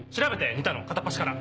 似たの片っ端から。